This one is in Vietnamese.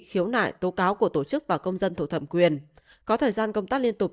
khiếu nại tố cáo của tổ chức và công dân thuộc thẩm quyền có thời gian công tác liên tục